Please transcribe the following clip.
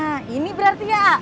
ah ini berarti ya a